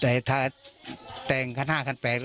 แต่งขนาดขันแปดเป็นเขาเดี๋ยวพาให้ตัวให้